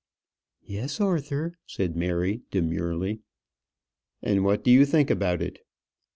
"Yes, Arthur," said Mary, demurely. "And what do you think about it?"